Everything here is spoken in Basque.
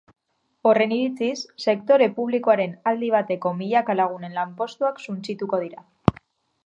Horren iritziz, sektore publikoaren aldi bateko milaka lagunen lanpostuak suntsituko dira.